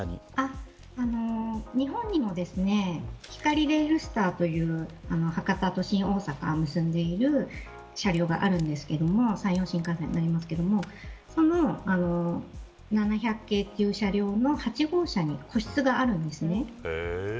日本にもひかりレールスターという博多と新大阪を結んでいる車両があるんですが山陽新幹線になりますけどその７００系という車両の８号車に個室があるんです。